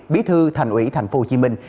bí thư thành ủy thành phố hồ chí minh